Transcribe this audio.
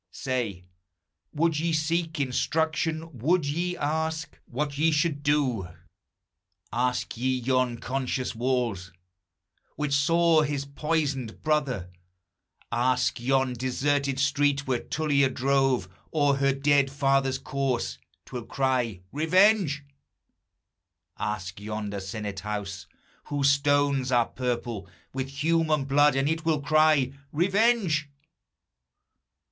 Say, would you seek instruction? would ye ask What ye should do? Ask ye yon conscious walls, Which saw his poisoned brother, Ask yon deserted street, where Tullia drove O'er her dead father's corse, 't will cry, Revenge! Ask yonder senate house, whose stones are purple With human blood, and it will cry, Revenge!